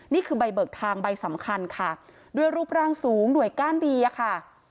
นี่คือใบเบิกทางใบสำคัญค่ะด้วยรูปร่างสูงหน่วยก้านบีอะค่ะ